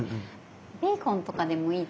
ベーコンとかでもいいですか？